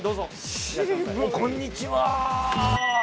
こんにちは。